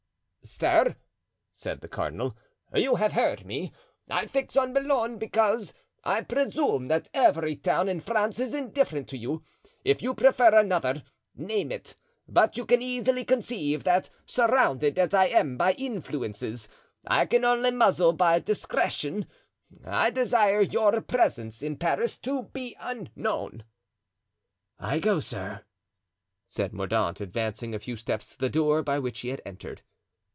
"Sir," said the cardinal, "you have heard me? I fix on Boulogne because I presume that every town in France is indifferent to you; if you prefer another, name it; but you can easily conceive that, surrounded as I am by influences I can only muzzle by discretion, I desire your presence in Paris to be unknown." "I go, sir," said Mordaunt, advancing a few steps to the door by which he had entered.